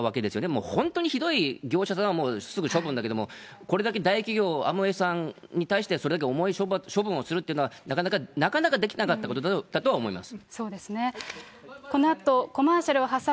もう本当にひどい業者さんはすぐ処分だけれども、これだけ大企業、アムウェイさんに対して、それだけ重い処分をするっていうのは、なかなかできなかったことだと思います。